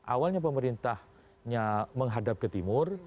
awalnya pemerintahnya menghadap ke timur